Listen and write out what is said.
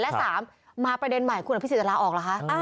และสามมาประเด็นใหม่คุณพี่ศิษย์จะล้าออกเหรอคะ